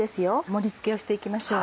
盛り付けをしていきましょう。